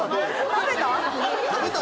食べた？